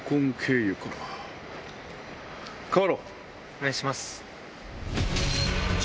お願いします。